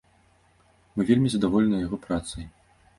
Мы вельмі задаволеныя яго працай.